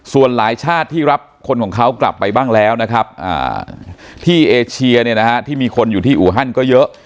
ส่วนหลายชาติที่รับคนของเขากลับไปบ้างแล้วนะครับที่เอเชียเนี่ยนะฮะที่มีคนอยู่ที่อูฮันก็เยอะ